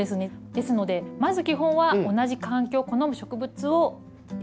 ですのでまず基本は同じ環境を好む植物を選ぶ。